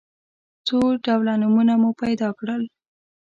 څو ډوله نومونه مو پیدا کړل.